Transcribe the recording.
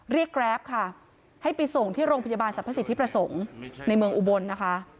แกรปค่ะให้ไปส่งที่โรงพยาบาลสรรพสิทธิประสงค์ในเมืองอุบลนะคะ